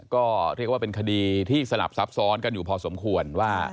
ก็เรียกว่าเป็นคดีที่สลับซับซ้อนกันอยู่พอสมควรว่า